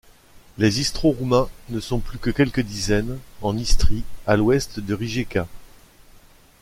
Les Istro-roumains ne sont plus que quelques dizaines, en Istrie, à l'ouest de Rijeka.